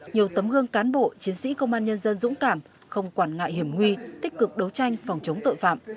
nhiều tấm gương cán bộ chiến sĩ công an nhân dân dũng cảm không quản ngại hiểm nguy tích cực đấu tranh phòng chống tội phạm